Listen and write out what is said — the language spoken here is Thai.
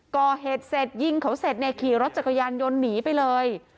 ก่อเหตุเสร็จยิงเขาเสร็จเนี่ยขี่รถจักรยานยนต์หนีไปเลย